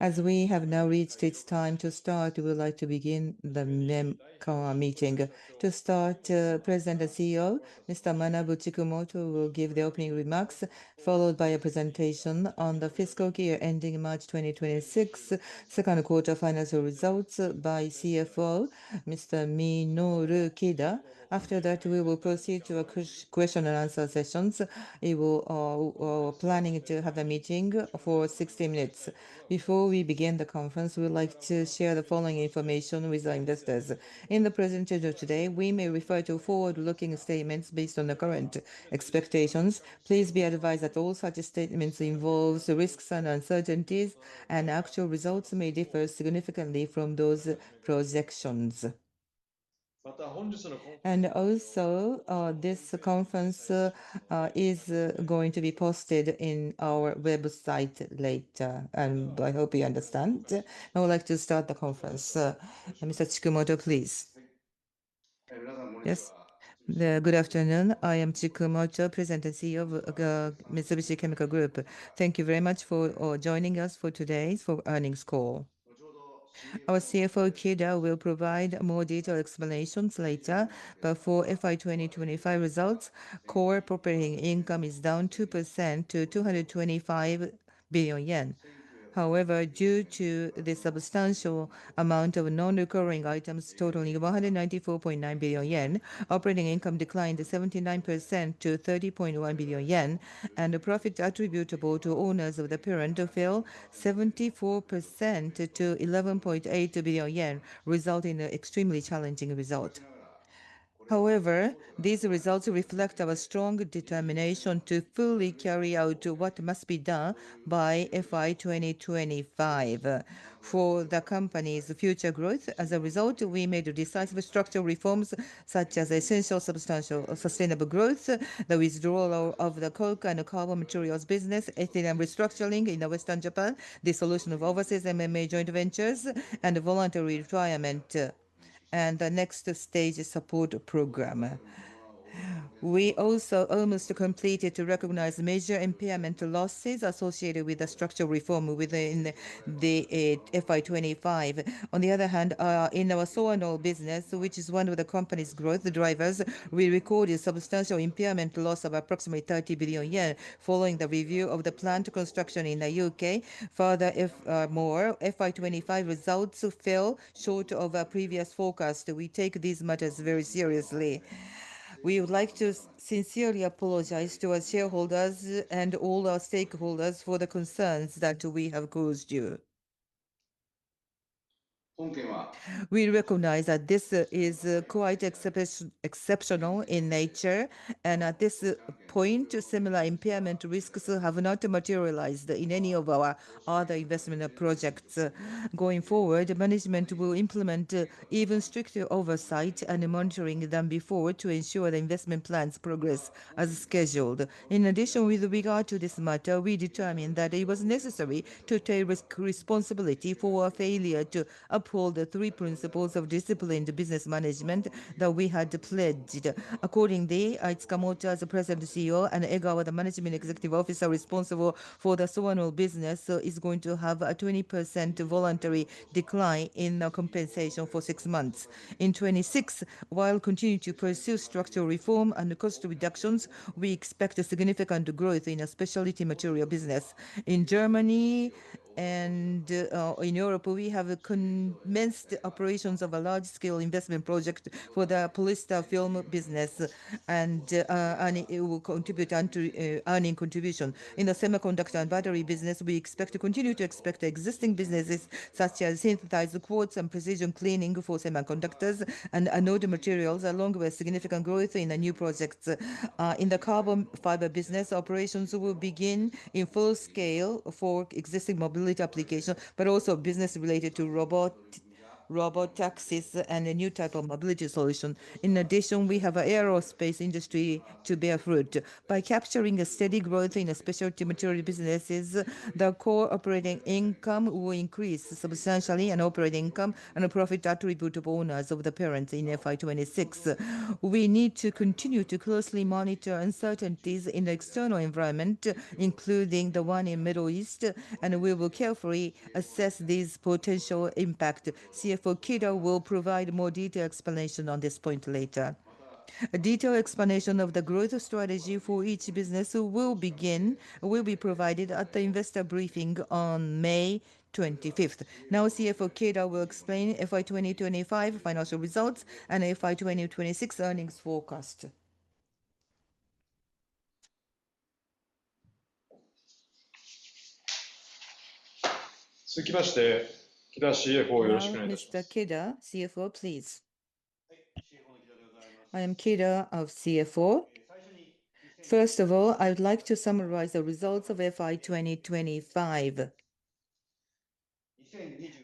As we have now reached its time to start, we would like to begin the meeting. To start, President and CEO, Mr. Manabu Chikumoto, will give the opening remarks, followed by a presentation on the fiscal year ending March 2026, second quarter financial results by CFO, Mr. Minoru Kida. After that, we will proceed to a question-and-answer sessions. It will, we're planning to have a meeting for 60 minutes. Before we begin the conference, we would like to share the following information with our investors. In the presentation of today, we may refer to forward-looking statements based on the current expectations. Please be advised that all such statements involves risks and uncertainties, and actual results may differ significantly from those projections. Also, this conference is going to be posted in our website later, and I hope you understand. I would like to start the conference. Mr. Chikumoto, please. Yes. Good afternoon. I am Chikumoto, President and CEO of Mitsubishi Chemical Group. Thank you very much for joining us for today's earnings call. Our CFO, Kida, will provide more detailed explanations later, but for FY 2025 results, core operating income is down 2% to 225 billion yen. However, due to the substantial amount of non-recurring items totaling 194.9 billion yen, operating income declined 79% to 30.1 billion yen, and the profit attributable to owners of the parent fell 74% to 11.8 billion yen, resulting in a extremely challenging result. However, these results reflect our strong determination to fully carry out what must be done by FY 2025 for the company's future growth. As a result, we made decisive structural reforms such as Sustainable Growth, the withdrawal of the coke and carbon materials business, ethylene restructuring in Western Japan, dissolution of overseas MMA joint ventures, and voluntary retirement and the Next-stage Support Program. We also almost completed to recognize major impairment losses associated with the structural reform within the FY 2025. On the other hand, in our Soarnol business, which is one of the company's growth drivers, we recorded substantial impairment loss of approximately 30 billion yen following the review of the plant construction in the U.K. Further, if more FY 2025 results fell short of our previous forecast. We take these matters very seriously. We would like to sincerely apologize to our shareholders and all our stakeholders for the concerns that we have caused you. We recognize that this is quite exceptional in nature, and at this point, similar impairment risks have not materialized in any of our other investment projects. Going forward, management will implement even stricter oversight and monitoring than before to ensure the investment plans progress as scheduled. In addition, with regard to this matter, we determined that it was necessary to take responsibility for our failure to uphold the three disciplined approaches in business operations that we had pledged. Accordingly, Manabu Chikumoto, as the President and CEO, and Egawa, the Management Executive Officer responsible for the Soarnol business, is going to have a 20% voluntary decline in compensation for six months. In 26, while continuing to pursue structural reform and cost reductions, we expect a significant growth in our Specialty Materials business. In Germany and in Europe, we have commenced operations of a large-scale investment project for the polyester film business and it will contribute on to earning contribution. In the semiconductor and battery business, we expect to continue existing businesses such as synthetic quartz and precision cleaning for semiconductors and anode materials, along with significant growth in the new projects. In the carbon fiber business, operations will begin in full scale for existing mobility applications, but also business related to robotaxis and a new type of mobility solution. In addition, we have aerospace industry to bear fruit. By capturing a steady growth in our Specialty Materials businesses, the core operating income will increase substantially in operating income and a profit attributable to owners of the parent in FY 2026. We need to continue to closely monitor uncertainties in the external environment, including the one in Middle East, and we will carefully assess these potential impact. CFO Kida will provide more detailed explanation on this point later. A detailed explanation of the growth strategy for each business will be provided at the investor briefing on May 25th. Now, CFO Kida will explain FY 2025 financial results and FY 2026 earnings forecast. Now, Mr. Kida, CFO, please. I am Kida of CFO. First of all, I would like to summarize the results of FY 2025.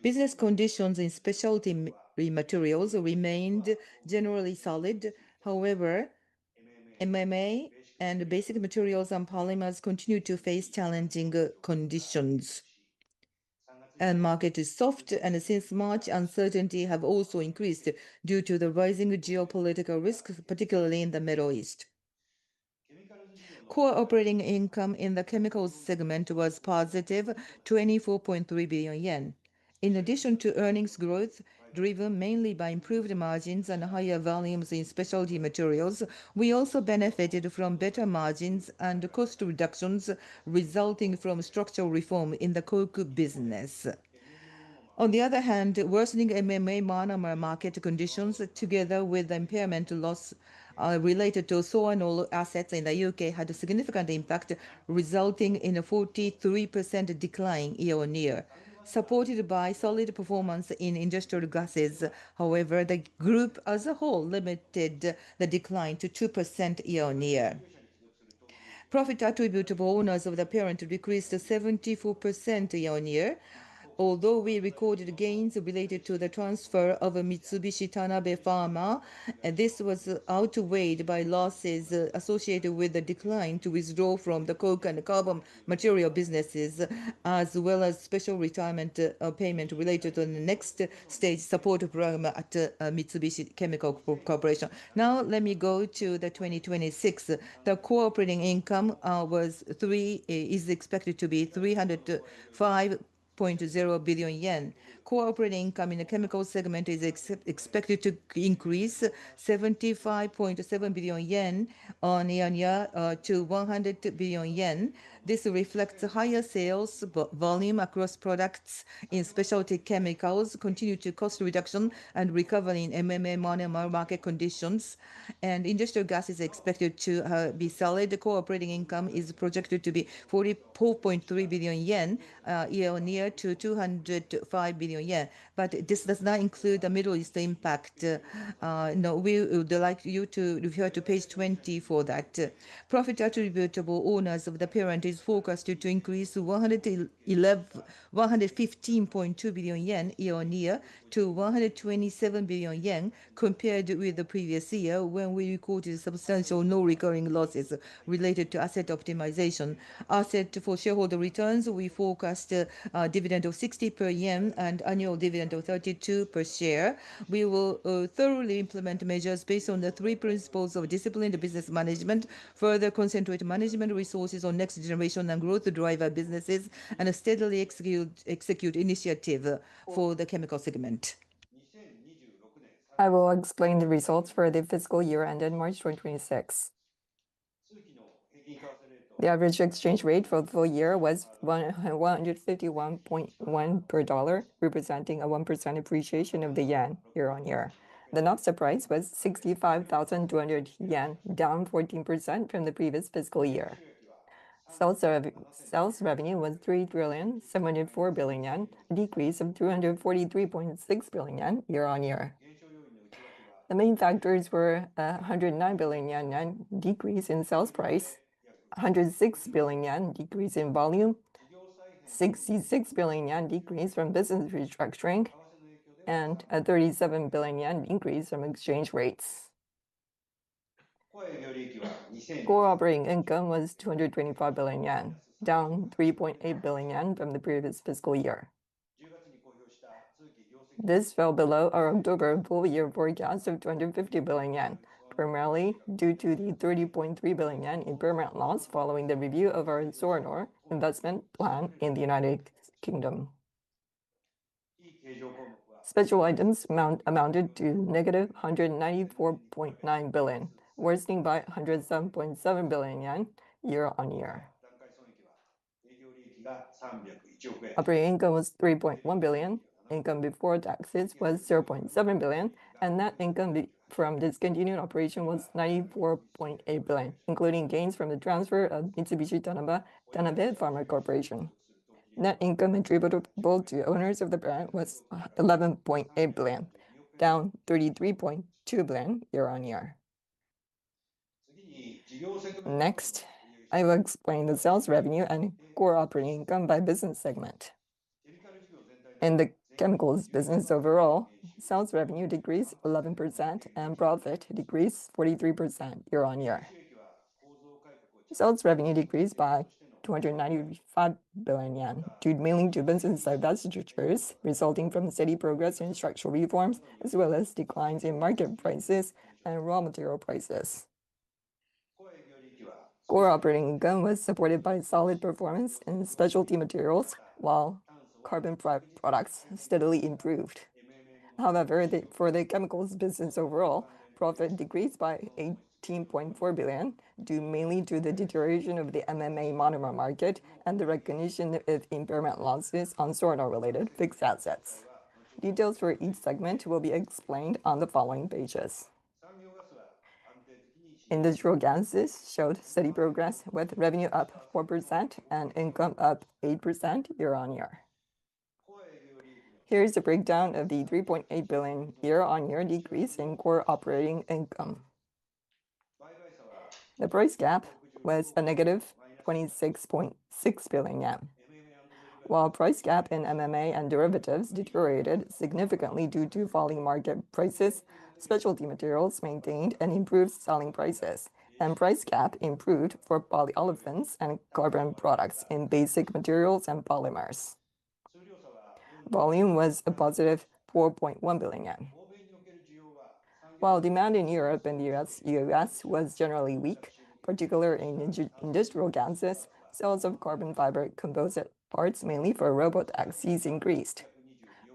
Business conditions in Specialty Materials remained generally solid. However, MMA and Basic Materials & Polymers continued to face challenging conditions. Market is soft, since March, uncertainty have also increased due to the rising geopolitical risk, particularly in the Middle East. Core operating income in the Chemicals segment was positive, 24.3 billion yen. In addition to earnings growth driven mainly by improved margins and higher volumes in Specialty Materials, we also benefited from better margins and cost reductions resulting from structural reform in the coke business. On the other hand, worsening MMA monomer market conditions together with impairment loss related to Soarnol assets in the U.K. had a significant impact, resulting in a 43% decline year-on-year. Supported by solid performance in industrial gases, however, the group as a whole limited the decline to 2% year-on-year. Profit attributable owners of the parent decreased 74% year-on-year. Although we recorded gains related to the transfer of Mitsubishi Tanabe Pharma, this was outweighed by losses associated with the decline to withdraw from the coke and carbon material businesses, as well as special retirement payment related to the Next-stage Support Program at Mitsubishi Chemical Corporation. Now let me go to the 2026. The core operating income is expected to be 305.0 billion yen. Core operating income in the chemicals segment is expected to increase 75.7 billion yen year-on-year to 100 billion yen. This reflects higher sales volume across products in specialty chemicals, continued cost reduction, and recovery in MMA monomer market conditions. Industrial gas is expected to be solid. The core operating income is projected to be 44.3 billion yen year-on-year to 205 billion yen. This does not include the Middle East impact. Now we would like you to refer to page 20 for that. Profit attributable owners of the parent is forecasted to increase to 115.2 billion yen year-on-year to 127 billion yen compared with the previous year when we recorded substantial non-recurring losses related to asset optimization. As for shareholder returns, we forecast a dividend of 60 yen and annual dividend of 32 per share. We will thoroughly implement measures based on the three disciplined approaches in business operations, further concentrate management resources on next-generation and growth driver businesses, and steadily execute initiative for the chemical segment. I will explain the results for the fiscal year ended March 2026. The average exchange rate for the full year was 151.1 per dollar, representing a 1% appreciation of the yen year-on-year. The naphtha price was 65,200 yen, down 14% from the previous fiscal year. Sales revenue was 3,704 billion yen, a decrease of 343.6 billion yen year-on-year. The main factors were a 109 billion yen decrease in sales price, a 106 billion yen decrease in volume, a 66 billion yen decrease from business restructuring, and a 37 billion yen increase from exchange rates. Core operating income was 225 billion yen, down 3.8 billion yen from the previous fiscal year. This fell below our October full year forecast of 250 billion yen, primarily due to the 30.3 billion yen impairment loss following the review of our Soarnol investment plan in the U.K. Special items amounted to negative 194.9 billion, worsening by 107.7 billion yen year-on-year. Operating income was 3.1 billion, income before taxes was 0.7 billion, and net income from discontinued operation was 94.8 billion, including gains from the transfer of Mitsubishi Tanabe Pharma Corporation. Net income attributable to owners of the parent was 11.8 billion, down 33.2 billion year-on-year. Next, I will explain the sales revenue and core operating income by business segment. In the chemicals business overall, sales revenue decreased 11% and profit decreased 43% year-on-year. Sales revenue decreased by 295 billion yen, due mainly to business divestitures resulting from steady progress in structural reforms as well as declines in market prices and raw material prices. Core Operating Income was supported by solid performance in Specialty Materials while carbon products steadily improved. For the chemicals business overall, profit decreased by 18.4 billion, due mainly to the deterioration of the MMA monomer market and the recognition of impairment losses on Soarnol-related fixed assets. Details for each segment will be explained on the following pages. Industrial gases showed steady progress, with revenue up 4% and income up 8% year-on-year. Here is a breakdown of the 3.8 billion year-on-year decrease in Core Operating Income. The price gap was a negative 26.6 billion yen. While price gap in MMA and derivatives deteriorated significantly due to falling market prices, Specialty Materials maintained and improved selling prices, and price gap improved for polyolefins and carbon products in Basic Materials & Polymers. Volume was a positive 4.1 billion yen. While demand in Europe and the U.S. was generally weak, particularly in industrial gases, sales of carbon fiber composite parts mainly for robotaxis increased.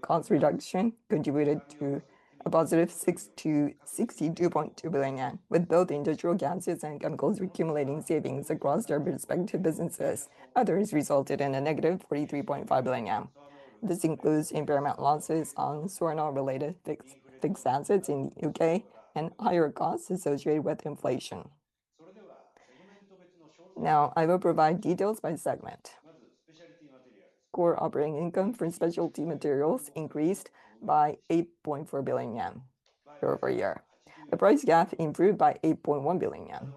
Cost reduction contributed to a positive 62.2 billion yen, with both industrial gases and chemicals accumulating savings across their respective businesses. Others resulted in a negative 43.5 billion yen. This includes impairment losses on Soarnol-related fixed assets in U.K. and higher costs associated with inflation. I will provide details by segment. Core operating income for Specialty Materials increased by 8.4 billion yen year-over-year. The price gap improved by 8.1 billion yen.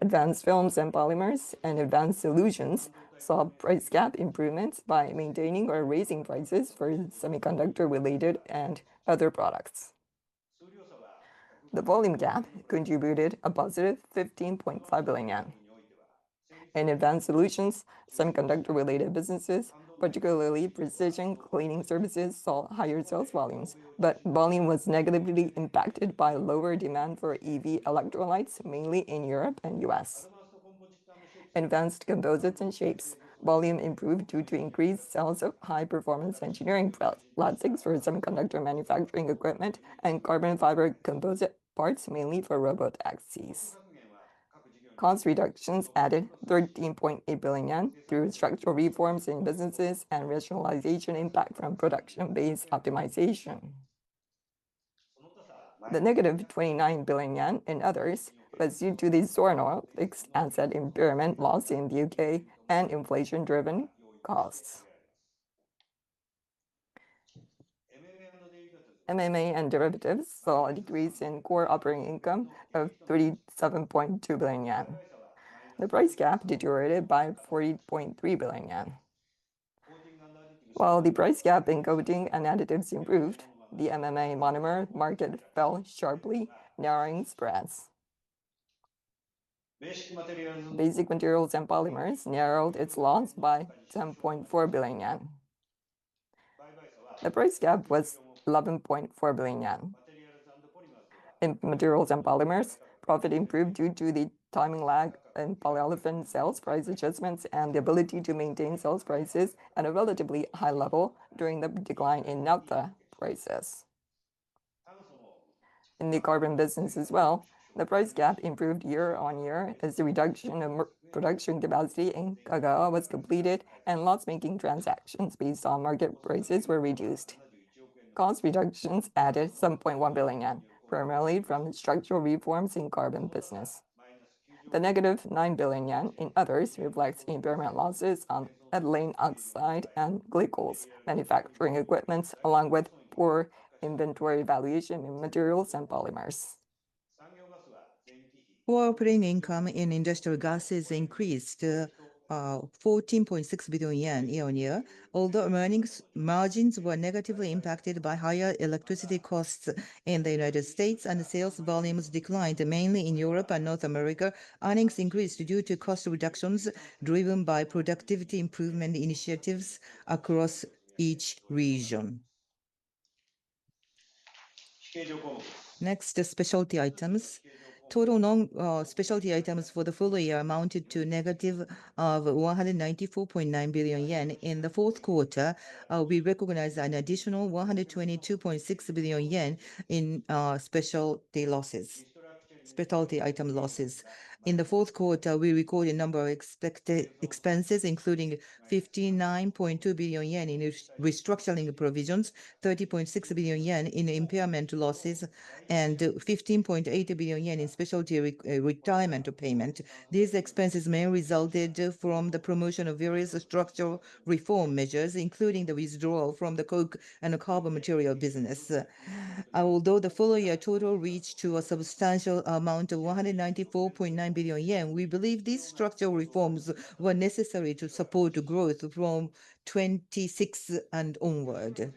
Advanced Films and Polymers and Advanced Solutions saw price gap improvements by maintaining or raising prices for semiconductor-related and other products. The volume gap contributed a positive 15.5 billion yen. In Advanced Solutions, semiconductor-related businesses, particularly precision cleaning services, saw higher sales volumes, but volume was negatively impacted by lower demand for EV electrolytes, mainly in Europe and U.S. Advanced Composites and Shapes volume improved due to increased sales of high-performance engineering plastics for semiconductor manufacturing equipment and carbon fiber composite parts mainly for robotaxis. Cost reductions added 13.8 billion yen through structural reforms in businesses and rationalization impact from production-based optimization. The negative 29 billion yen in others was due to the Soarnol fixed asset impairment loss in the U.K. and inflation-driven costs. MMA & Derivatives saw a decrease in core operating income of 37.2 billion yen. The price gap deteriorated by 40.3 billion yen. While the price gap in coating and additives improved, the MMA monomer market fell sharply, narrowing spreads. Basic Materials & Polymers narrowed its loss by 10.4 billion yen. The price gap was 11.4 billion yen. In Materials and Polymers, profit improved due to the timing lag in polyolefin sales price adjustments and the ability to maintain sales prices at a relatively high level during the decline in naphtha prices. In the carbon business as well, the price gap improved year on year as the reduction of production capacity in Kagawa was completed and loss-making transactions based on market prices were reduced. Cost reductions added 0.1 billion yen, primarily from structural reforms in carbon business. The negative 9 billion yen in others reflects impairment losses on ethylene oxide and glycols manufacturing equipments along with poor inventory valuation in Materials and Polymers. Core operating income in industrial gases increased 14.6 billion yen year on year. Although earnings margins were negatively impacted by higher electricity costs in the United States and sales volumes declined mainly in Europe and North America, earnings increased due to cost reductions driven by productivity improvement initiatives across each region. Next, specialty items. Total non specialty items for the full year amounted to negative of 194.9 billion yen. In the fourth quarter, we recognized an additional 122.6 billion yen in specialty losses, specialty item losses. In the fourth quarter, we recorded a number of expenses, including 59.2 billion yen in restructuring provisions, 30.6 billion yen in impairment losses, and 15.8 billion yen in specialty retirement payment. These expenses mainly resulted from the promotion of various structural reform measures, including the withdrawal from the coke and the carbon material business. Although the full year total reached to a substantial amount of 194.9 billion yen, we believe these structural reforms were necessary to support growth from 2026 and onward.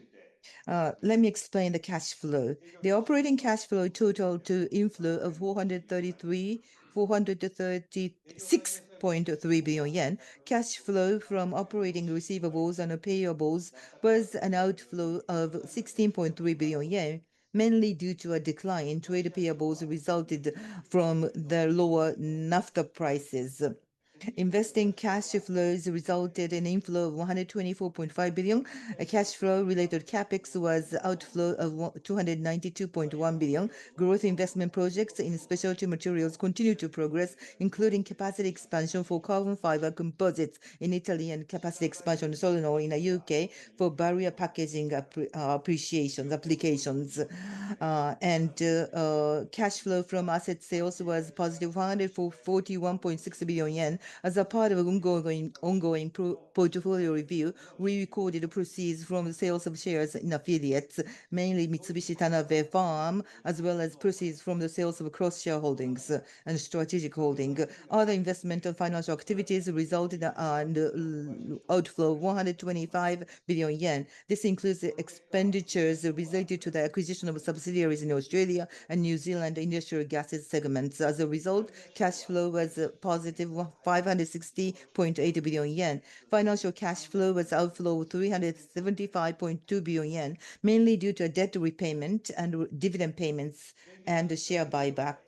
Let me explain the cash flow. The operating cash flow totaled to inflow of 436.3 billion yen. Cash flow from operating receivables and payables was an outflow of 16.3 billion yen, mainly due to a decline in trade payables resulted from the lower naphtha prices. Investing cash flows resulted in inflow of 124.5 billion. A cash flow related CapEx was outflow of 292.1 billion. Growth investment projects in Specialty Materials continue to progress, including capacity expansion for carbon fiber composites in Italy and capacity expansion at Soarnol in the U.K. for barrier packaging applications. Cash flow from asset sales was positive 141.6 billion yen. As a part of ongoing portfolio review, we recorded proceeds from sales of shares in affiliates, mainly Mitsubishi Tanabe Pharma, as well as proceeds from the sales of cross-shareholdings and strategic holding. Other investment and financial activities resulted in the outflow of 125 billion yen. This includes expenditures related to the acquisition of subsidiaries in Australia and New Zealand Industrial Gases segments. As a result, cash flow was positive 560.8 billion yen. Financial cash flow was outflow 375.2 billion yen, mainly due to debt repayment and dividend payments and share buyback.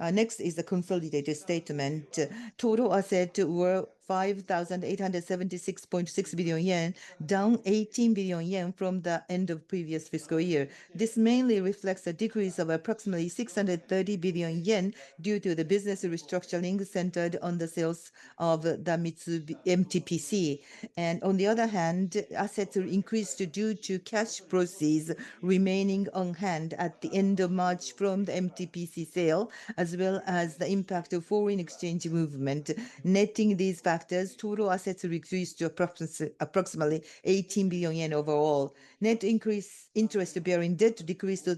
Next is the consolidated statement. Total assets were 5,876.6 billion yen, down 18 billion yen from the end of previous fiscal year. This mainly reflects a decrease of approximately 630 billion yen due to the business restructuring centered on the sales of the MTPC. On the other hand, assets increased due to cash proceeds remaining on hand at the end of March from the MTPC sale, as well as the impact of foreign exchange movement. Netting these factors, total assets decreased to approximately 18 billion yen overall. Net interest-bearing debt decreased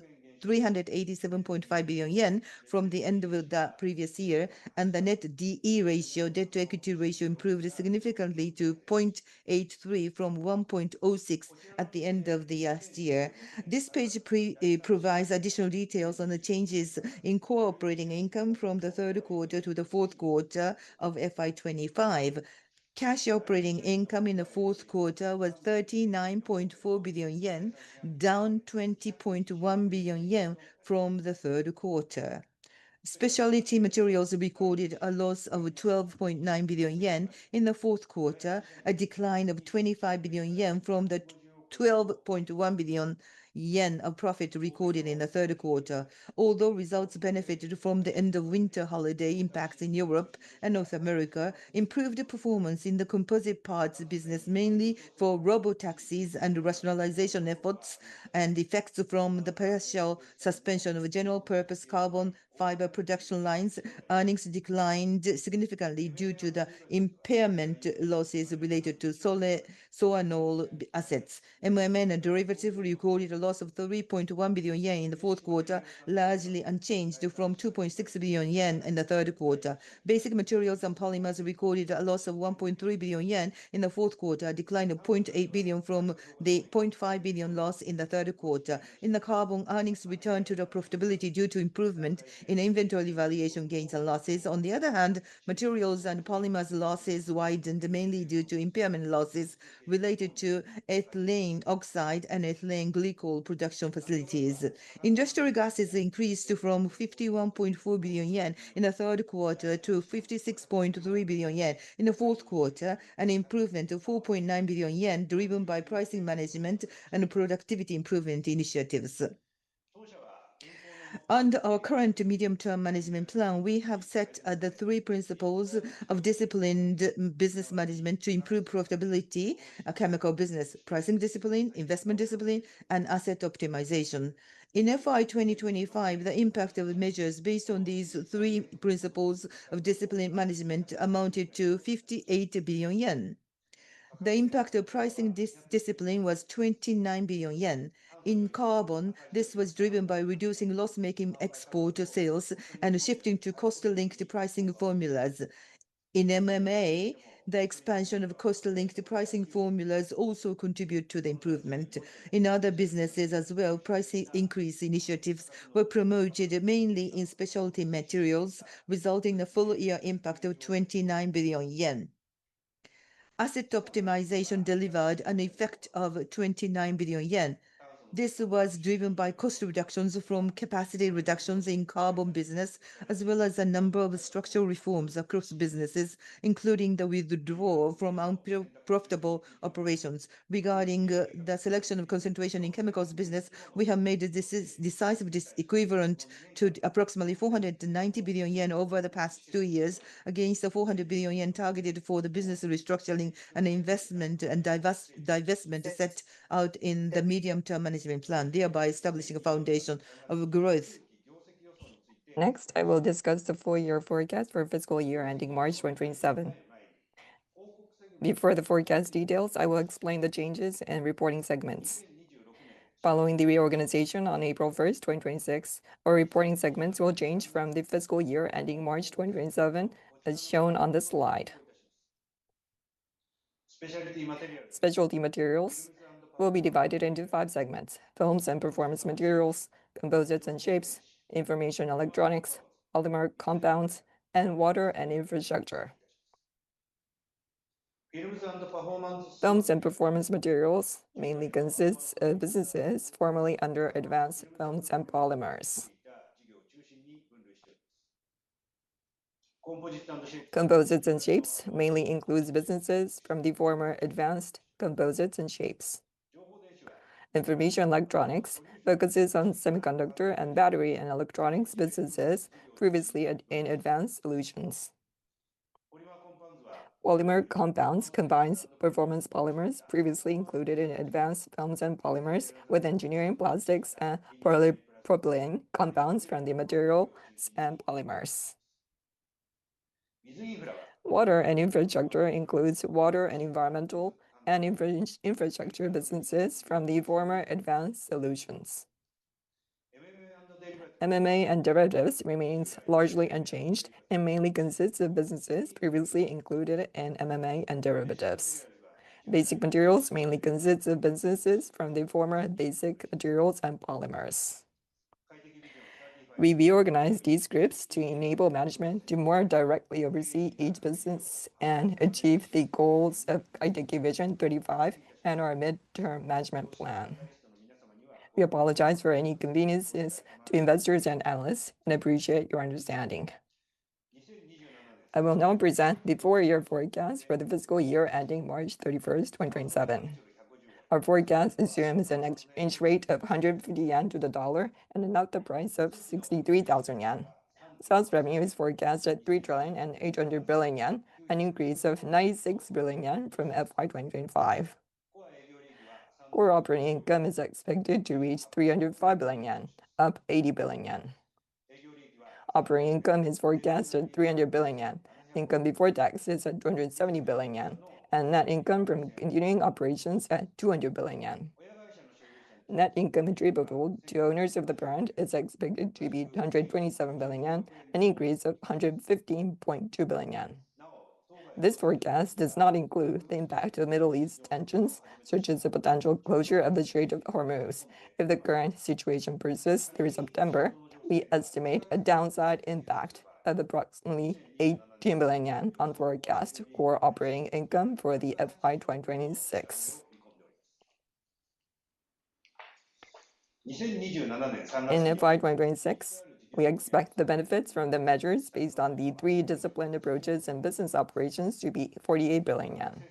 to 387.5 billion yen from the end of the previous year, and the net D/E ratio, debt-to-equity ratio, improved significantly to 0.83 from 1.06 at the end of the last year. This page provides additional details on the changes in core operating income from the third quarter to the fourth quarter of FY 2025. Cash operating income in the fourth quarter was 39.4 billion yen, down 20.1 billion yen from the third quarter. Specialty Materials recorded a loss of 12.9 billion yen in the fourth quarter, a decline of 25 billion yen from the 12.1 billion yen of profit recorded in the third quarter. Although results benefited from the end-of-winter holiday impacts in Europe and North America, improved performance in the composite parts business, mainly for robotaxis and rationalization efforts, and effects from the partial suspension of general purpose carbon fiber production lines, earnings declined significantly due to the impairment losses related to Soarnol assets. MMA & Derivatives recorded a loss of 3.1 billion yen in the fourth quarter, largely unchanged from 2.6 billion yen in the third quarter. Basic Materials & Polymers recorded a loss of 1.3 billion yen in the fourth quarter, a decline of 0.8 billion yen from the 0.5 billion loss in the third quarter. In the carbon, earnings returned to profitability due to improvement in inventory valuation gains and losses. On the other hand, Materials and Polymers losses widened, mainly due to impairment losses related to ethylene oxide and ethylene glycol production facilities. Industrial gases increased from ¥51.4 billion in the third quarter to ¥56.3 billion in the fourth quarter, an improvement of ¥4.9 billion, driven by pricing management and productivity improvement initiatives. Under our current Medium-Term Management Plan, we have set the three disciplined approaches in business operations to improve profitability: pricing policy, strict investment decisions, and asset optimization. In FY 2025, the impact of measures based on these three disciplined approaches in business operations amounted to ¥58 billion. The impact of pricing policy was ¥29 billion. In carbon, this was driven by reducing loss-making export sales and shifting to cost-linked pricing formulas. In MMA, the expansion of cost-linked pricing formulas also contribute to the improvement. In other businesses as well, pricing increase initiatives were promoted mainly in Specialty Materials, resulting in a full-year impact of 29 billion yen. Asset Optimization delivered an effect of 29 billion yen. This was driven by cost reductions from capacity reductions in carbon business, as well as a number of structural reforms across businesses, including the withdraw from unprofitable operations. Regarding the selection of concentration in chemicals business, we have made decisive equivalent to approximately 490 billion yen over the past two years against the 400 billion yen targeted for the business restructuring and investment and divestment set out in the medium-term management plan, thereby establishing a foundation of growth. Next, I will discuss the full year forecast for fiscal year ending March 2027. Before the forecast details, I will explain the changes in reporting segments. Following the reorganization on April first, 2026, our reporting segments will change from the fiscal year ending March 2027, as shown on this slide. Specialty Materials will be divided into five segments: Films and Performance Materials, Composites and Shapes, Information Electronics, Polymer Compounds, and Water & Infrastructure. Films and Performance Materials mainly consists of businesses formerly under Advanced Films and Polymers. Composites & Shapes mainly includes businesses from the former Advanced Composites & Shapes. Information Electronics focuses on semiconductor and battery and electronics businesses previously in Advanced Solutions. Polymer Compounds combines performance polymers previously included in Advanced Films and Polymers with engineering plastics and polypropylene compounds from the Materials and Polymers. Water & Infrastructure includes water and environmental and infrastructure businesses from the former Advanced Solutions. MMA & Derivatives remains largely unchanged and mainly consists of businesses previously included in MMA & Derivatives. Basic Materials mainly consists of businesses from the former Basic Materials & Polymers. We reorganized these groups to enable management to more directly oversee each business and achieve the goals of KAITEKI Vision 35 and our mid-term management plan. We apologize for any inconveniences to investors and analysts and appreciate your understanding. I will now present the four-year forecast for the fiscal year ending March 31, 2027. Our forecast assumes an exchange rate of 150 yen to the USD and an oil price of 63,000 yen. Sales revenue is forecast at 3,800 billion yen, an increase of 96 billion yen from FY 2025. Core operating income is expected to reach 305 billion yen, up 80 billion yen. Operating income is forecast at 300 billion yen, income before taxes at 270 billion yen, and net income from continuing operations at 200 billion yen. Net income attributable to owners of the parent is expected to be 227 billion yen, an increase of 115.2 billion yen. This forecast does not include the impact of Middle East tensions, such as the potential closure of the Strait of Hormuz. If the current situation persists through September, we estimate a downside impact of approximately 18 billion yen on forecast core operating income for the FY 2026. In FY 2026, we expect the benefits from the measures based on the three disciplined approaches in business operations to be 48 billion yen.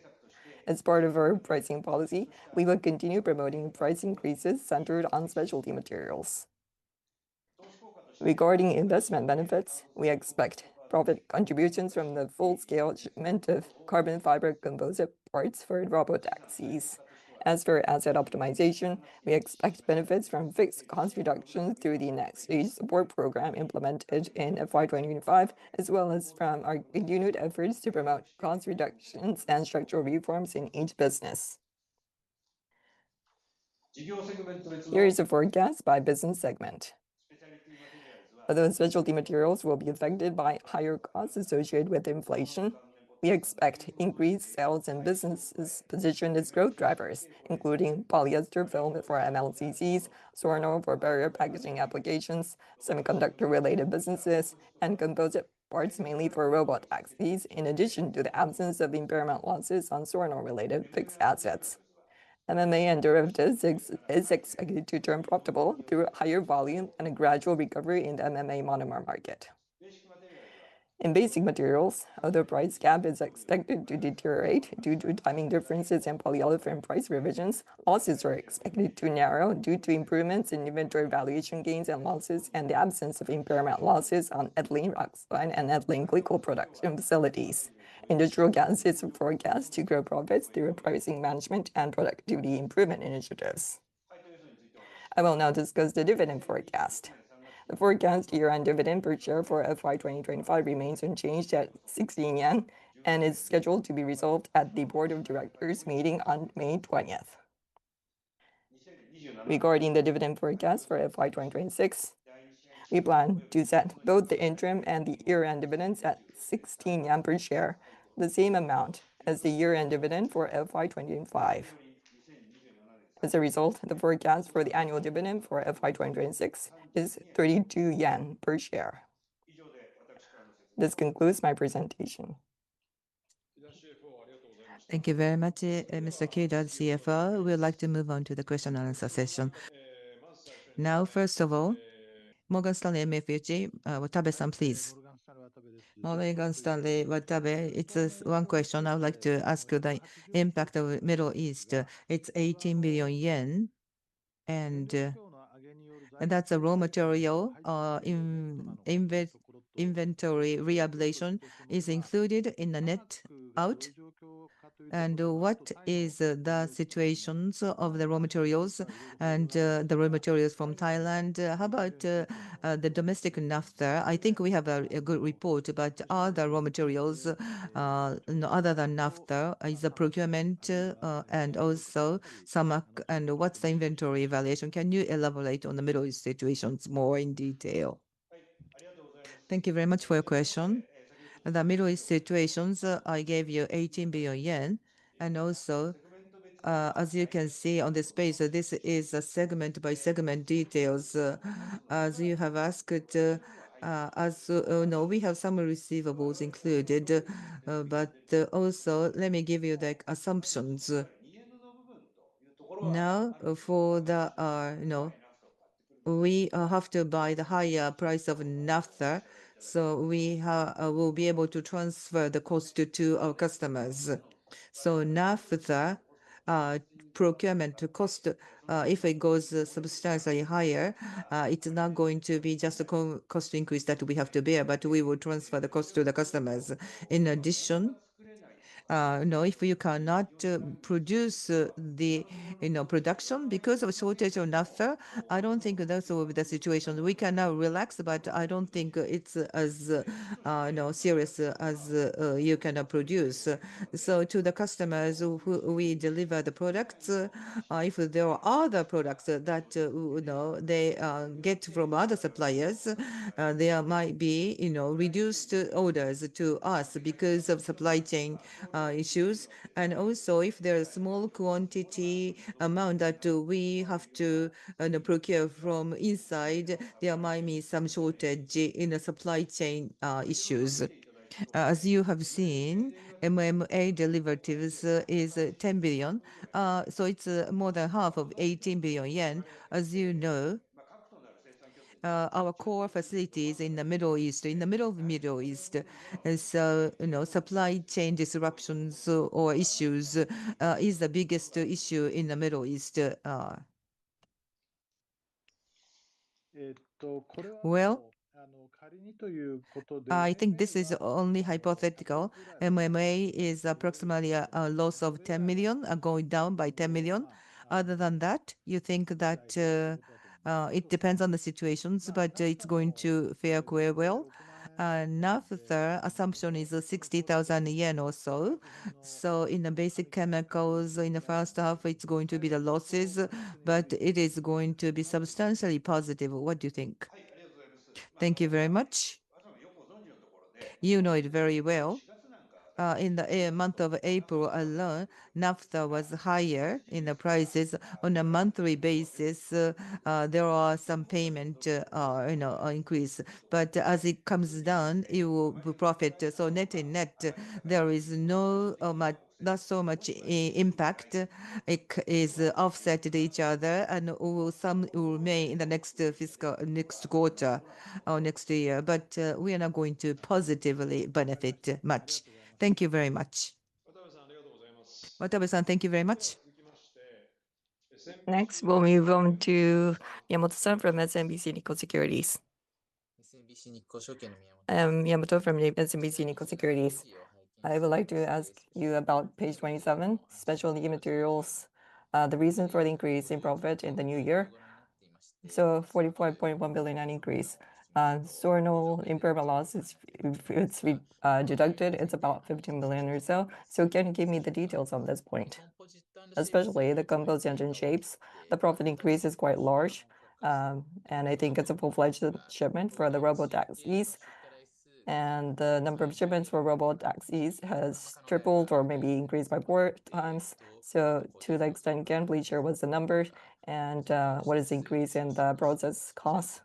As part of our pricing policy, we will continue promoting price increases centered on Specialty Materials. Regarding investment benefits, we expect profit contributions from the full-scale shipment of carbon fiber composite parts for robotaxis. As for asset optimization, we expect benefits from fixed cost reduction through the Next-stage Support Program implemented in FY 2025, as well as from our unit efforts to promote cost reductions and structural reforms in each business. Here is the forecast by business segment. Although Specialty Materials will be affected by higher costs associated with inflation, we expect increased sales in businesses positioned as growth drivers, including polyester film for MLCCs, Soarnol for barrier packaging applications, semiconductor-related businesses, and composite parts mainly for robotaxis, in addition to the absence of impairment losses on Soarnol-related fixed assets. MMA & Derivatives is expected to turn profitable through higher volume and a gradual recovery in the MMA monomer market. In Basic Materials, although price gap is expected to deteriorate due to timing differences in polyolefin price revisions, losses are expected to narrow due to improvements in inventory valuation gains and losses and the absence of impairment losses on ethylene oxide and ethylene glycol production facilities. Industrial Gases is forecast to grow profits through pricing management and productivity improvement initiatives. I will now discuss the dividend forecast. The forecast year-end dividend per share for FY 2025 remains unchanged at 16 yen and is scheduled to be resolved at the Board of Directors meeting on May 20th. Regarding the dividend forecast for FY 2026, we plan to set both the interim and the year-end dividends at 16 yen per share, the same amount as the year-end dividend for FY 2025. As a result, the forecast for the annual dividend for FY 2026 is 32 yen per share. This concludes my presentation. Thank you very much, Mr. Kida, CFO. We would like to move on to the question and answer session. Now, first of all, Morgan Stanley MUFG, Watabe-san, please. It's one question I would like to ask the impact of Middle East. It's 18 billion yen, and that's a raw material. Inventory reevaluation is included in the net out. What is the situations of the raw materials and the raw materials from Thailand? How about the domestic naphtha? I think we have a good report about other raw materials, other than naphtha is a procurement. What's the inventory evaluation? Can you elaborate on the Middle East situations more in detail? Thank you very much for your question. The Middle East situations, I gave you 18 billion yen and also- As you can see on this page, this is a segment-by-segment details. As you have asked, we have some receivables included. Also, let me give you the assumptions. For the, you know, we have to buy the higher price of naphtha, we will be able to transfer the cost to our customers. Naphtha procurement cost, if it goes substantially higher, it's not going to be just a cost increase that we have to bear, but we will transfer the cost to the customers. In addition, you know, if you cannot produce production because of a shortage of naphtha, I don't think that's the situation. We can now relax, but I don't think it's as, you know, serious as you cannot produce. To the customers who we deliver the products, if there are other products that, you know, they get from other suppliers, there might be, you know, reduced orders to us because of supply chain issues. If there are small quantity amount that we have to, you know, procure from inside, there might be some shortage in the supply chain issues. As you have seen, MMA derivatives is 10 billion. It's more than half of 18 billion yen. As you know, our core facilities in the Middle East, in the middle of Middle East is, you know, supply chain disruptions or issues, is the biggest issue in the Middle East. I think this is only hypothetical. MMA is approximately a loss of 10 million, going down by 10 million. Other than that, you think that it depends on the situations, but it's going to fare quite well. Naphtha assumption is 60,000 yen or so. In the basic chemicals in the first half, it's going to be the losses, but it is going to be substantially positive. What do you think? Thank you very much. You know it very well. In the month of April alone, naphtha was higher in the prices. On a monthly basis, there are some payment, you know, increase. As it comes down, it will profit. Net in net, there is no not so much impact. It is offsetting each other and some will remain in the next fiscal, next quarter or next year. We are now going to positively benefit much. Thank you very much. Watabe-san, thank you very much. Next, we'll move on to Miyamoto-san from SMBC Nikko Securities. I am Miyamoto from SMBC Nikko Securities. I would like to ask you about page 27, Specialty Materials. The reason for the increase in profit in the new year. 44.1 billion increase. Soarnol impairment loss is deducted. It's about 15 million or so. Can you give me the details on this point? Especially the Composites and Shapes, the profit increase is quite large. I think it's a full-fledged shipment for the robotaxis. The number of shipments for robotaxis has tripled or maybe increased by 4x. To that extent, can we share what's the numbers and what is the increase in the process costs?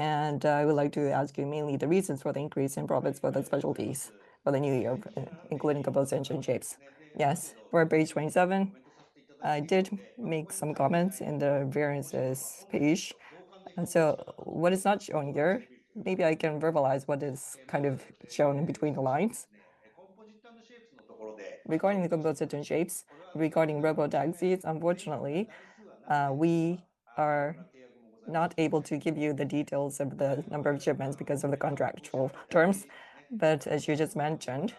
I would like to ask you mainly the reasons for the increase in profits for the Specialty Materials for the new year, including Composites and Shapes. Yes. For page 27, I did make some comments in the variances page. What is not shown there, maybe I can verbalize what is kind of shown between the lines. Regarding the composite engine shapes, regarding robotaxis, unfortunately, we are not able to give you the details of the number of shipments because of the contractual terms. As you just mentioned,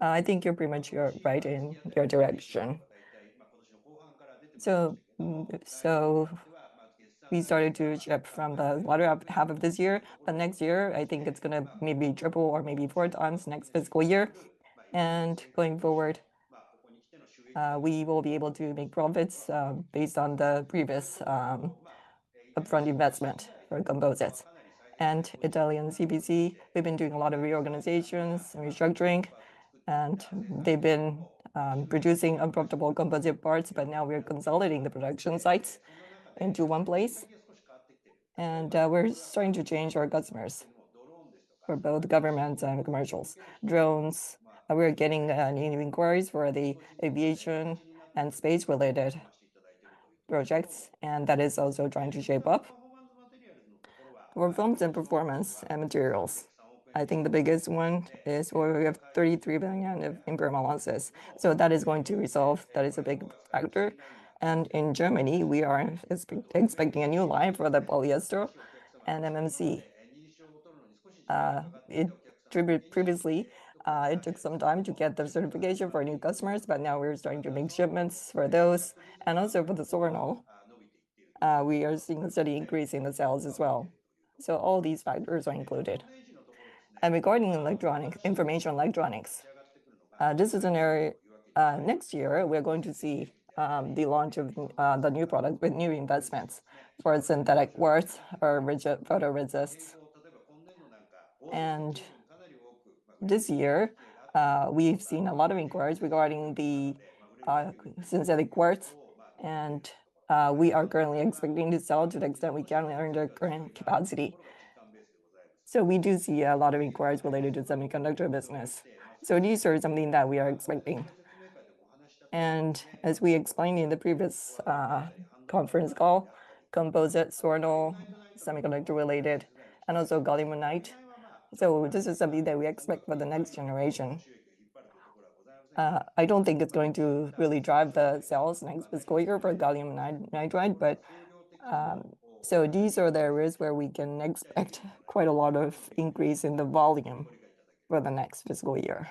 I think you're pretty much, you're right in your direction. We started to ship from the latter half of this year, but next year I think it's gonna maybe triple or maybe 4x next fiscal year. Going forward, we will be able to make profits based on the previous upfront investment for composites. Italian CPC, we've been doing a lot of reorganizations and restructuring, they've been producing unprofitable composite parts, now we're consolidating the production sites into one place. We're starting to change our customers for both government and commercials. Drones, we're getting new inquiries for the aviation and space related projects, that is also starting to shape up. For Films and Performance Materials, I think the biggest one is where we have 33 billion in impairment losses. That is going to resolve. That is a big factor. In Germany, we are expecting a new line for the polyester film and MMA monomer. Previously, it took some time to get the certification for new customers, now we're starting to make shipments for those. Also for the Soarnol, we are seeing steady increase in the sales as well. All these factors are included. Regarding Information Electronics, this is an area next year we are going to see the launch of the new product with new investments for synthetic quartz or rigid photoresists. This year, we've seen a lot of inquiries regarding the synthetic quartz, and we are currently expecting to sell to the extent we can in our current capacity. We do see a lot of inquiries related to semiconductor business. These are something that we are expecting. As we explained in the previous conference call, composite, sort of semiconductor related, and also gallium nitride. This is something that we expect for the next generation. I don't think it's going to really drive the sales next fiscal year for gallium nitride, but these are the areas where we can expect quite a lot of increase in the volume for the next fiscal year.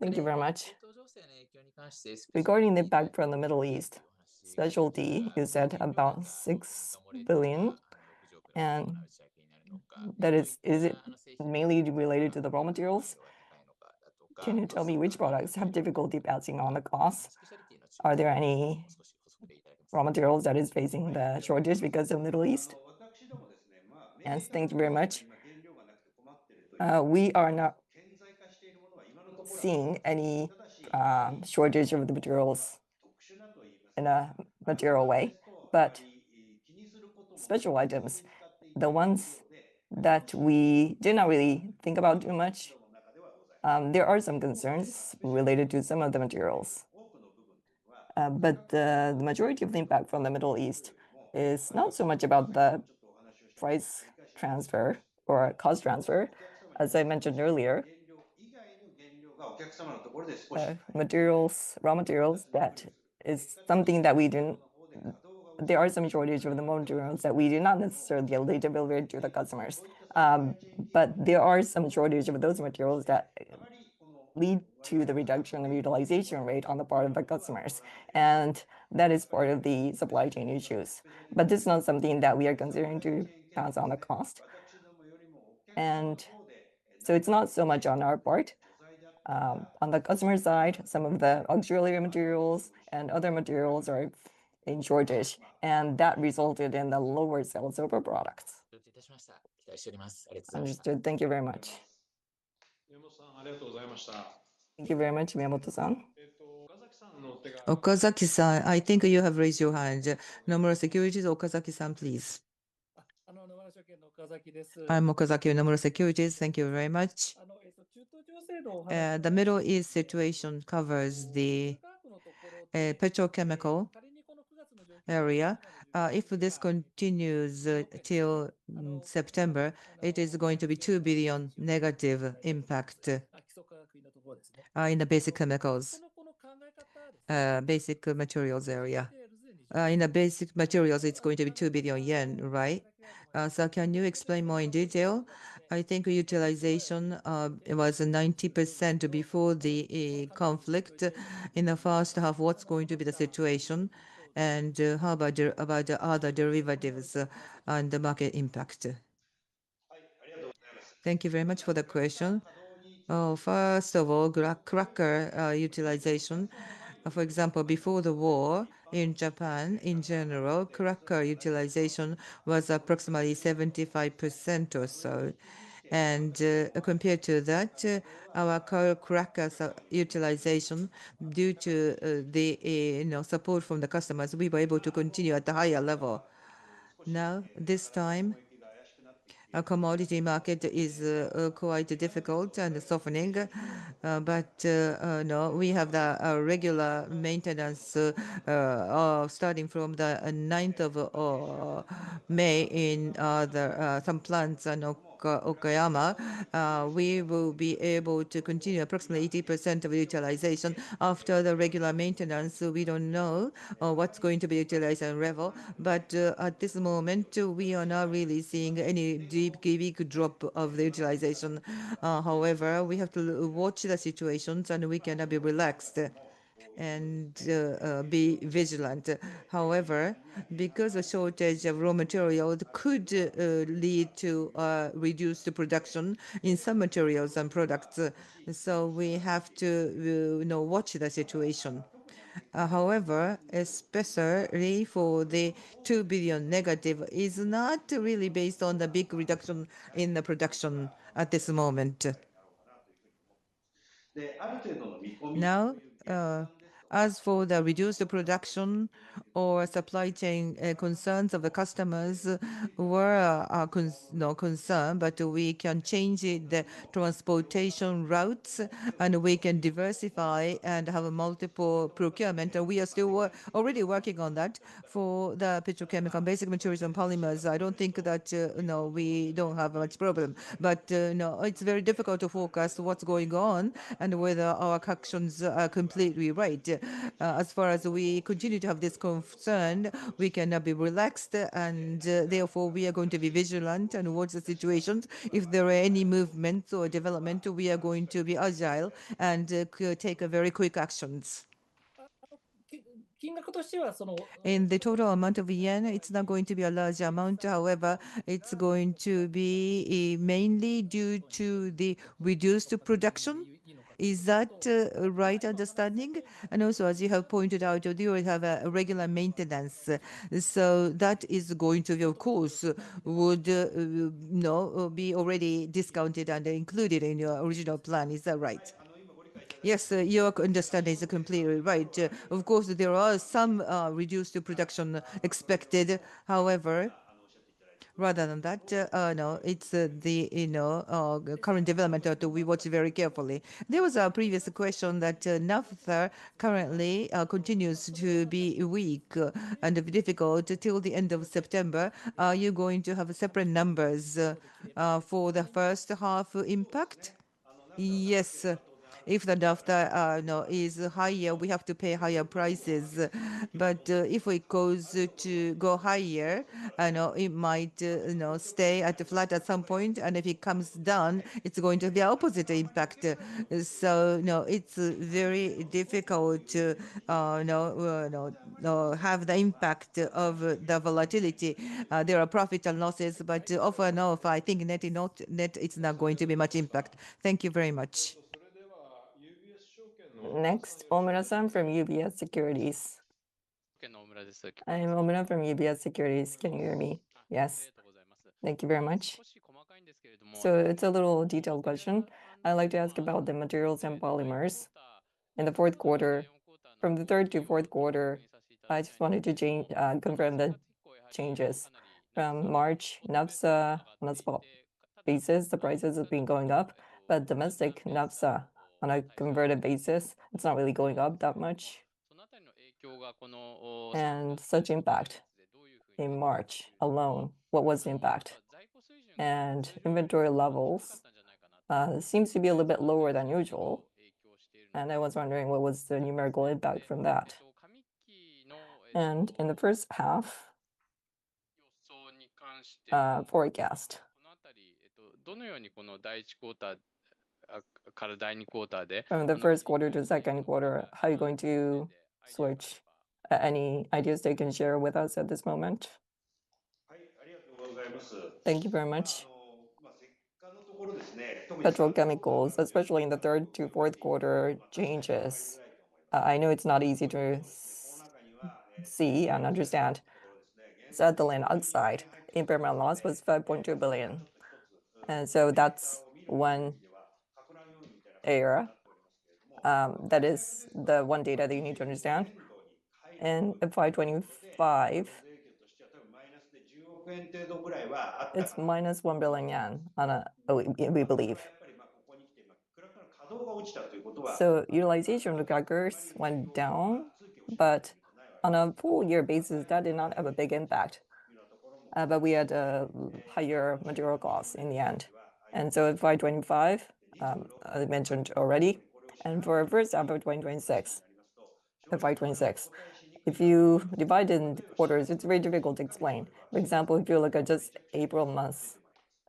Thank you very much. Regarding the impact from the Middle East, Specialty, you said about 6 billion. Is that mainly related to the raw materials? Can you tell me which products have difficulty passing on the cost? Are there any raw materials that are facing the shortage because of Middle East? Yes, thank you very much. We are not seeing any shortage of the materials in a material way. Special items, the ones that we do not really think about too much, there are some concerns related to some of the materials. The majority of the impact from the Middle East is not so much about the price transfer or cost transfer, as I mentioned earlier. Materials, raw materials. There are some shortage of the raw materials that we do not necessarily relay to the customers. There are some shortage of those materials that lead to the reduction of utilization rate on the part of the customers, and that is part of the supply chain issues. This is not something that we are considering to pass on the cost. It's not so much on our part. On the customer side, some of the auxiliary materials and other materials are in shortage, and that resulted in the lower sales of our products. Understood. Thank you very much. Thank you very much, Miyamoto-san. Okazaki-san, I think you have raised your hand. Nomura Securities, Okazaki-san, please. I'm Okazaki, Nomura Securities. Thank you very much. The Middle East situation covers the petrochemical area. If this continues till September, it is going to be 2 billion negative impact in the basic chemicals basic materials area. In the basic materials it's going to be 2 billion yen, right? Can you explain more in detail? I think utilization it was 90% before the conflict. In the first half, what's going to be the situation, and how about the other derivatives on the market impact? Thank you very much for the question. First of all, cracker utilization. For example, before the war in Japan, in general, cracker utilization was approximately 75% or so. Compared to that, our co-cracker utilization due to the, you know, support from the customers, we were able to continue at the higher level. Now, this time, our commodity market is quite difficult and softening. No, we have the regular maintenance starting from the 9th of May in the some plants in Okayama. We will be able to continue approximately 80% of utilization. After the regular maintenance, we don't know what's going to be utilization level. At this moment, we are not really seeing any deep, big drop of the utilization. However, we have to watch the situations and we cannot be relaxed and be vigilant. However, because a shortage of raw material could lead to reduced production in some materials and products, so we have to, you know, watch the situation. However, especially for the 2 billion negative, is not really based on the big reduction in the production at this moment. Now, as for the reduced production or supply chain concerns of the customers, were no concern, but we can change the transportation routes, and we can diversify and have a multiple procurement. We are already working on that for the petrochemical and Basic Materials & Polymers. I don't think that, no, we don't have much problem. No, it's very difficult to forecast what's going on and whether our actions are completely right. As far as we continue to have this concern, we cannot be relaxed and, therefore we are going to be vigilant and watch the situations. If there are any movements or development, we are going to be agile and, take a very quick actions. In the total amount of yen, it's not going to be a large amount. It's going to be mainly due to the reduced production. Is that a right understanding? As you have pointed out, you do have a regular maintenance, so that is going to, of course, would, you know, be already discounted and included in your original plan. Is that right? Yes, your understanding is completely right. Of course, there are some reduced production expected. However, rather than that, it's the, you know, current development that we watch very carefully. There was a previous question that naphtha currently continues to be weak and difficult till the end of September. Are you going to have separate numbers for the first half impact? Yes. If the naphtha, you know, is higher, we have to pay higher prices. If it goes to go higher, you know, it might, you know, stay at flat at some point. If it comes down, it's going to be opposite impact. It's very difficult to, you know, have the impact of the volatility. There are profit and losses, but off and off, I think net it's not going to be much impact. Thank you very much. Omura-san from UBS Securities. I am Omura from UBS Securities. Can you hear me? Yes. Thank you very much. It's a little detailed question. I'd like to ask about the Materials and Polymers. In the fourth quarter, from the third to fourth quarter, I just wanted to confirm the changes. From March, naphtha on a spot basis, the prices have been going up. Domestic naphtha on a converted basis, it's not really going up that much. Such impact in March alone, what was the impact? Inventory levels seems to be a little bit lower than usual, and I was wondering what was the numerical impact from that. In the first half, forecast. From the first quarter to second quarter, how are you going to switch? Any ideas that you can share with us at this moment? Thank you very much. Petrochemicals, especially in the third to fourth quarter changes, I know it's not easy to see and understand. Ethylene oxide, impairment loss was 5.2 billion. That's one area that is the one data that you need to understand. For 2025, it's minus 1 billion yen on we believe. Utilization regards went down, but on a full year basis, that did not have a big impact. We had a higher material cost in the end. For 2025, as I mentioned already, and for first half of 2026, for 526. If you divide it into quarters, it's very difficult to explain. For example, if you look at just April month,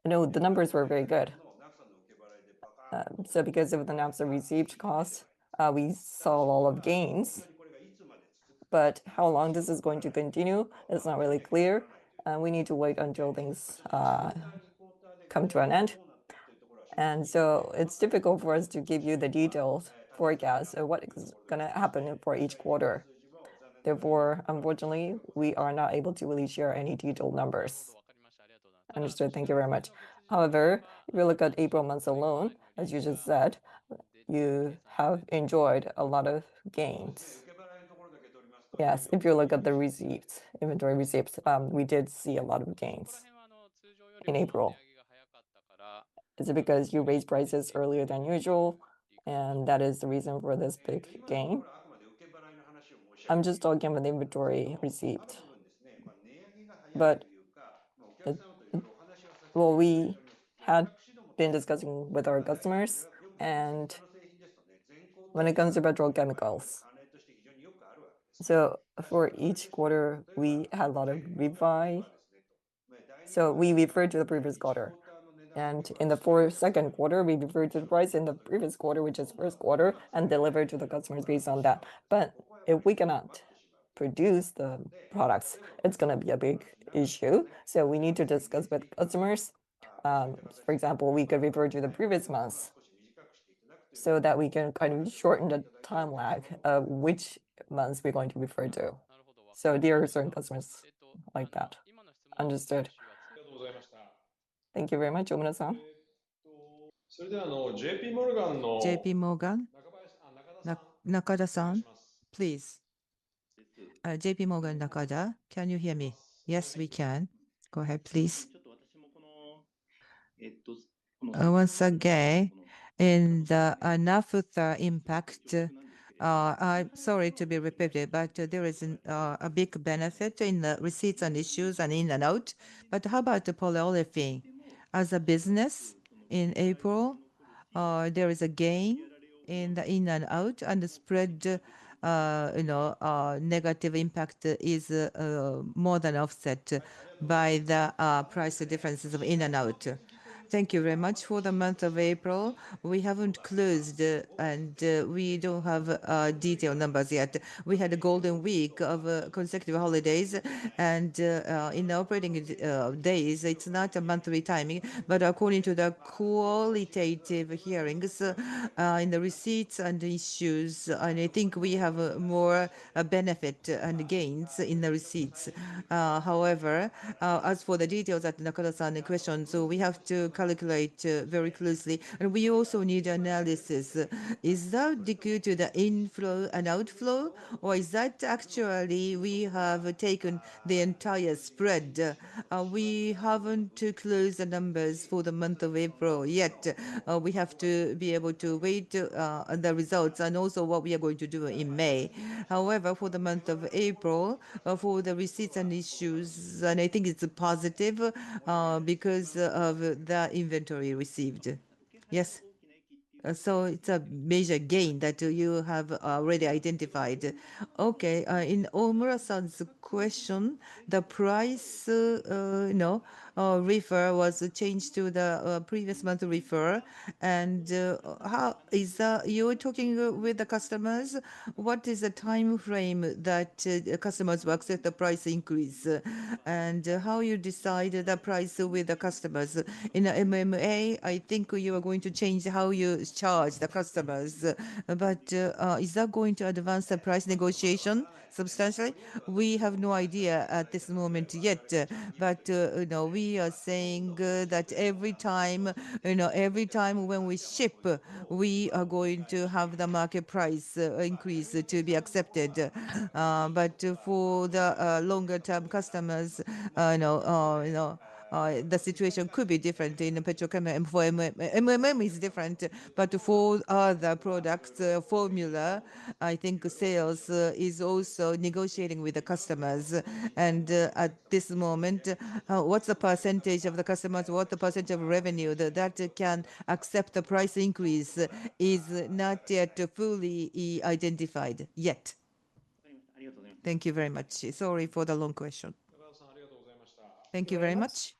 you know, the numbers were very good. Because of the naphtha received cost, we saw a lot of gains. How long this is going to continue is not really clear, and we need to wait until things come to an end. It is difficult for us to give you the detailed forecast of what is going to happen for each quarter. Therefore, unfortunately, we are not able to really share any detailed numbers. Understood. Thank you very much. However, if you look at April month alone, as you just said, you have enjoyed a lot of gains. Yes. If you look at the receipts, inventory receipts, we did see a lot of gains in April. Is it because you raised prices earlier than usual, and that is the reason for this big gain? I am just talking about inventory receipt. We had been discussing with our customers, and when it comes to petrol chemicals. For each quarter, we had a lot of rebuy. We refer to the previous quarter. In the for second quarter, we refer to the price in the previous quarter, which is first quarter, and deliver to the customers based on that. If we cannot produce the products, it's gonna be a big issue. We need to discuss with customers. For example, we could refer to the previous month so that we can kind of shorten the time lag of which month we're going to refer to. There are certain customers like that. Understood. Thank you very much, Omura-san. JP Morgan. Nakada-san, please. JP Morgan, Nakada. Can you hear me? Yes, we can. Go ahead, please. Once again, in the naphtha impact, I'm sorry to be repetitive, but there is a big benefit in the receipts and issues and in and out. How about the polyolefin as a business in April? There is a gain in the in and out, and the spread, you know, negative impact is more than offset by the price differences of in and out. Thank you very much. For the month of April, we haven't closed, and we don't have detailed numbers yet. We had a Golden Week of consecutive holidays and in operating days, it's not a monthly timing. According to the qualitative hearings, in the receipts and issues, I think we have more benefit and gains in the receipts. However, as for the details that Nakada-san questioned, we have to calculate very closely, and we also need analysis. Is that due to the inflow and outflow, or is that actually we have taken the entire spread? We haven't closed the numbers for the month of April yet. We have to be able to wait on the results and also what we are going to do in May. However, for the month of April, for the receipts and issues, I think it's positive because of the inventory received. Yes. It's a major gain that you have already identified. Okay. In Omura's question, the price reference was changed to the previous month reference. You're talking with the customers. What is the timeframe that customers will accept the price increase, and how you decide the price with the customers? In MMA, I think you are going to change how you charge the customers. Is that going to advance the price negotiation substantially? We have no idea at this moment yet. You know, we are saying that every time, you know, every time when we ship, we are going to have the market price increase to be accepted. For the longer term customers, you know, you know, the situation could be different in petrochemical and for MMA is different. For other products, formula, I think sales, is also negotiating with the customers. At this moment, what's the percentage of the customers, what's the percentage of revenue that can accept the price increase is not yet fully identified yet. Thank you very much. Sorry for the long question. Thank you very much.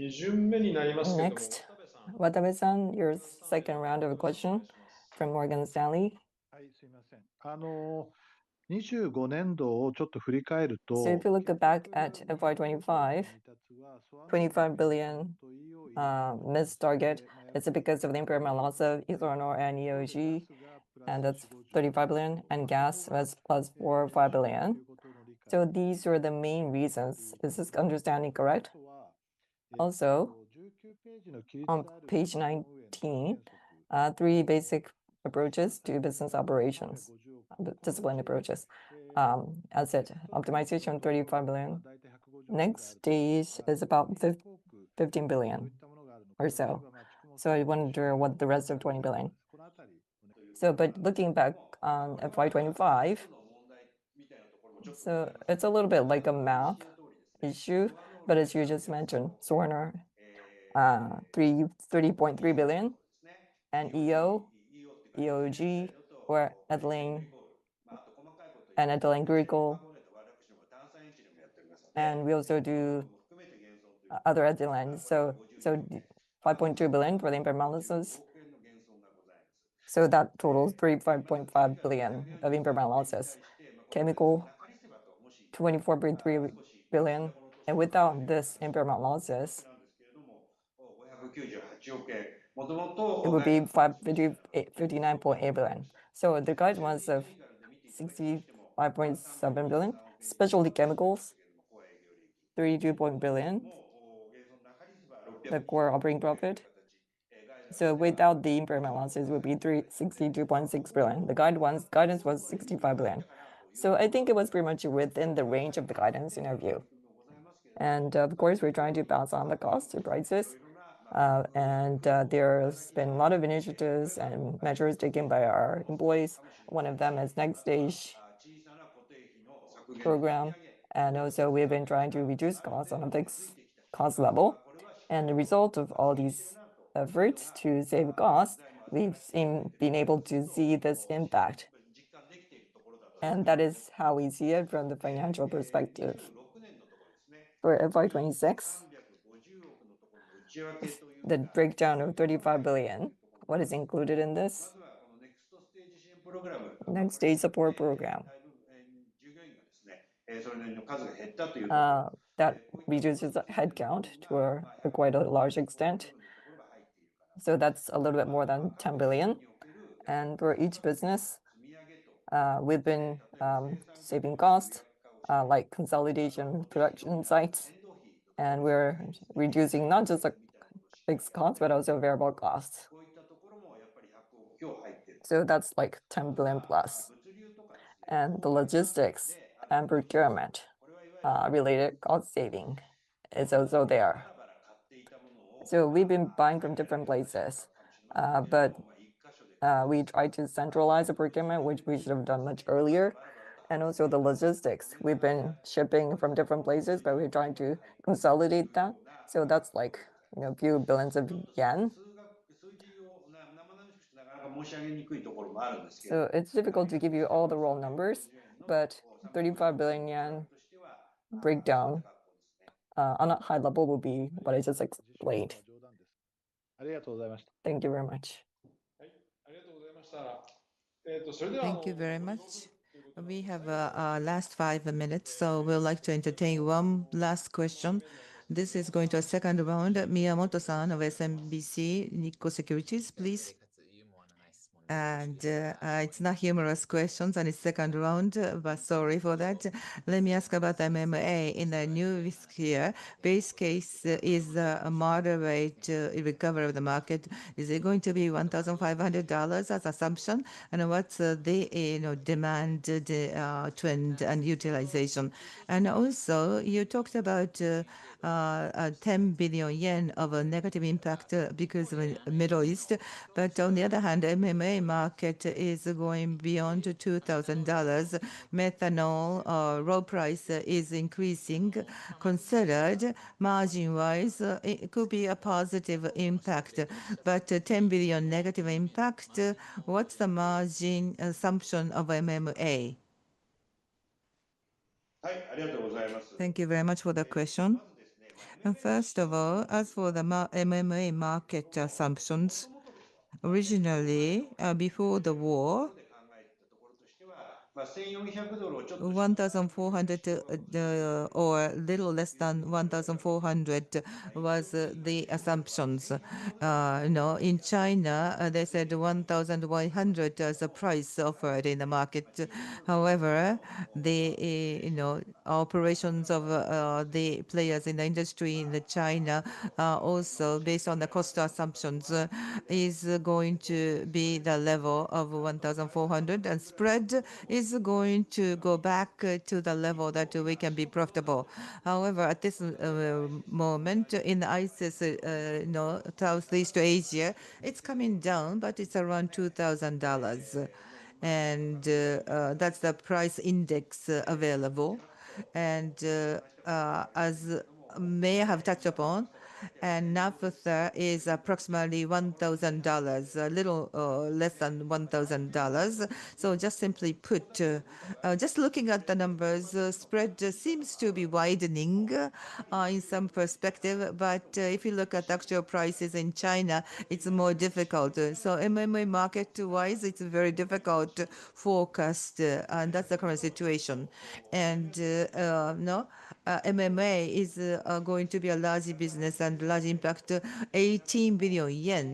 Next, Watabe-san, your second round of question from Morgan Stanley. If you look back at FY 2025, 25 billion missed target, is it because of the impairment loss of ethylene and EOG, and that's 35 billion, and gas was +4 or 5 billion. These are the main reasons. Is this understanding correct? Also, on page 19, three basic approaches to business operations, disciplined approaches. Asset optimization 35 billion. Next-stage is about 15 billion or so. I wonder what the rest of 20 billion. Looking back on FY 2025, it's a little bit like a math issue, but as you just mentioned, we're 30.3 billion in EO, EOG or ethylene and ethylene glycol. We also do other ethylenes, 5.2 billion for the impairment losses. That totals 35.5 billion of impairment losses. Chemical, 24.3 billion. Without this impairment losses, it would be 59.8 billion. The guidance was of 65.7 billion, Specialty Materials 32 billion, the core operating income. Without the impairment losses, it would be 62.6 billion. The guidance was 65 billion. I think it was pretty much within the range of the guidance in our view. Of course, we're trying to pass on the cost to prices, and there's been a lot of initiatives and measures taken by our employees. One of them is Next-stage Support Program. Also we've been trying to reduce costs on the fixed cost level. The result of all these efforts to save cost, we've been able to see this impact. That is how we see it from the financial perspective. For FY 2026, the breakdown of 35 billion, what is included in this? Next-stage Support Program. That reduces the headcount to quite a large extent. That's a little bit more than 10 billion. For each business, we've been saving cost, like consolidation production sites, and we're reducing not just the fixed cost but also variable costs. That's like 10 billion plus. The logistics and procurement related cost saving is also there. We've been buying from different places, we try to centralize the procurement, which we should have done much earlier, and also the logistics. We've been shipping from different places, but we're trying to consolidate that. That's like, you know, a few billion JPY. It's difficult to give you all the raw numbers, but 35 billion yen breakdown on a high level will be what I just explained. Thank you very much. Thank you very much. We have five minutes, so we'll like to entertain one last question. This is going to a second round. Miyamoto-san of SMBC Nikko Securities, please. It's not humorous questions and it's second round, sorry for that. Let me ask about MMA. In the new risk year, base case is a moderate recovery of the market. Is it going to be $1,500 as assumption? What's the, you know, demand, trend, and utilization? Also, you talked about a 10 billion yen of a negative impact because of the Middle East. On the other hand, MMA market is going beyond $2,000. Methanol raw price is increasing. Considered margin-wise, it could be a positive impact. 10 billion negative impact, what's the margin assumption of MMA? Thank you very much for the question. First of all, as for the MMA market assumptions, originally, before the war, 1,400, or a little less than 1,400 was the assumptions. You know, in China, they said 1,100 as the price offered in the market. However, the, you know, operations of the players in the industry in China, also based on the cost assumptions, is going to be the level of 1,400. Spread is going to go back to the level that we can be profitable. However, at this moment in ICIS, you know, Southeast Asia, it's coming down, but it's around $2,000. That's the price index available. As may have touched upon, naphtha is approximately 1,000 dollars, a little less than 1,000 dollars. Just simply put, just looking at the numbers, the spread seems to be widening in some perspective. If you look at actual prices in China, it's more difficult. MMA market-wise, it's very difficult to forecast, and that's the current situation. You know, MMA is going to be a large business and large impact, 80 billion yen.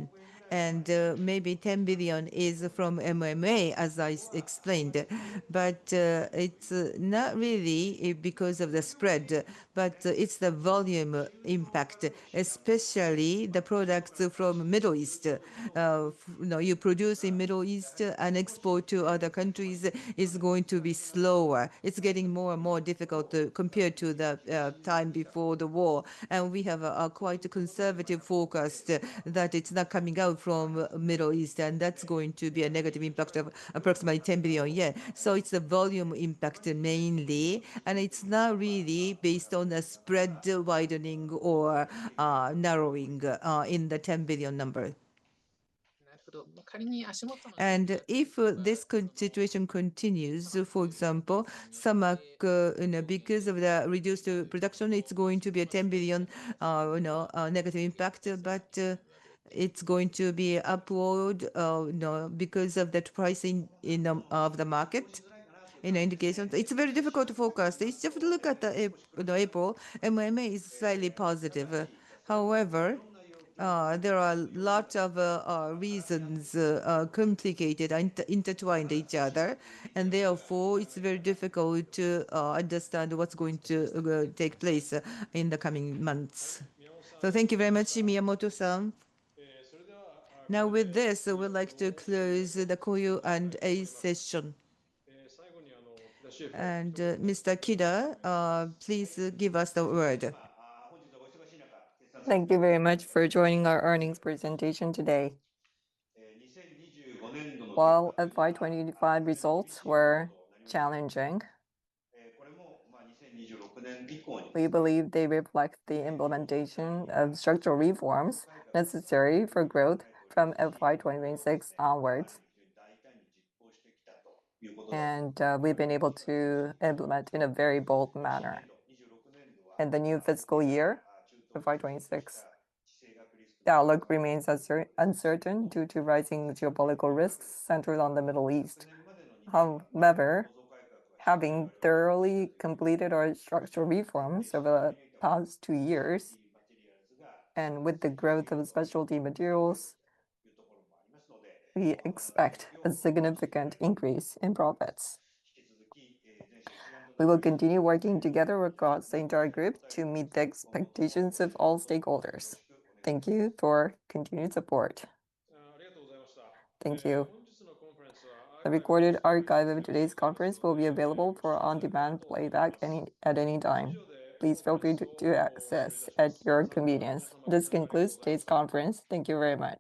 Maybe 10 billion is from MMA as I explained. It's not really because of the spread, but it's the volume impact, especially the products from Middle East. You know, you produce in Middle East and export to other countries is going to be slower. It's getting more and more difficult compared to the time before the war. We have a quite conservative forecast that it's not coming out from Middle East, and that's going to be a negative impact of approximately 10 billion yen. It's the volume impact mainly, and it's not really based on the spread widening or narrowing in the 10 billion number. If this situation continues, for example, SAMAC, you know, because of the reduced production, it's going to be a 10 billion, you know, negative impact. It's going to be upward, you know, because of that pricing of the market in indications. It's very difficult to forecast. If you look at April, MMA is slightly positive. However, there are lot of reasons, complicated and intertwined each other, and therefore it's very difficult to understand what's going to take place in the coming months. Thank you very much, Miyamoto-san. With this, we'd like to close the Q&A session. Mr. Kida, please give us the word. Thank you very much for joining our earnings presentation today. While FY 2025 results were challenging, we believe they reflect the implementation of structural reforms necessary for growth from FY 2026 onwards, and we've been able to implement in a very bold manner. In the new fiscal year, FY 2026, the outlook remains uncertain due to rising geopolitical risks centered on the Middle East. Having thoroughly completed our structural reforms over the past two years, and with the growth of Specialty Materials, we expect a significant increase in profits. We will continue working together across the entire group to meet the expectations of all stakeholders. Thank you for continued support. Thank you. The recorded archive of today's conference will be available for on-demand playback at any time. Please feel free to access at your convenience. This concludes today's conference. Thank you very much.